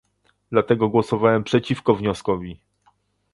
Dlatego głosowałem przeciwko wnioskowi